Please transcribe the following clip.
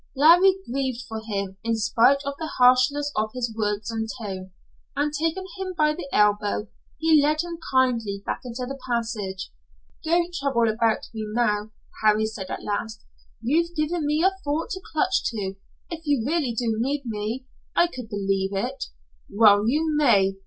Larry grieved for him, in spite of the harshness of his words and tone, and taking him by the elbow, he led him kindly back into the passage. "Don't trouble about me now," Harry said at last. "You've given me a thought to clutch to if you really do need me if I could believe it." "Well, you may!